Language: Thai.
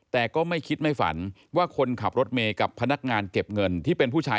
แต่ก็ไม่คิดไม่ฝันว่าคนขับรถเมย์